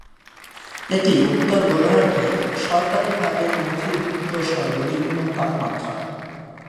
এটি উত্তর গোলার্ধে সরকারীভাবে নথিভুক্ত সর্বনিম্ন তাপমাত্রা।